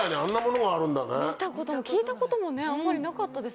見たことも聞いたこともあんまりなかったですもん。